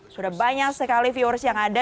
sudah banyak sekali viewers yang ada